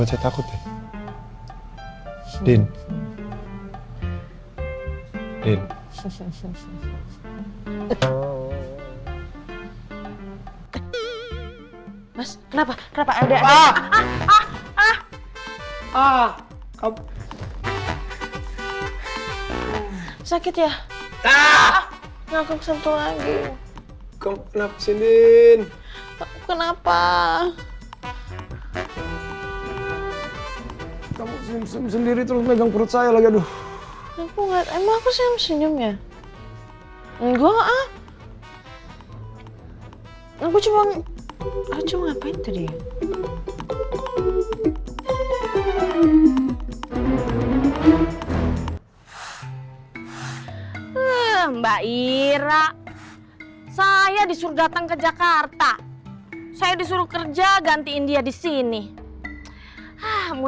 enggak enggak enggak terlalu